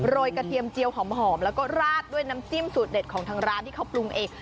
ยกระเทียมเจียวหอมแล้วก็ราดด้วยน้ำจิ้มสูตรเด็ดของทางร้านที่เขาปรุงเอง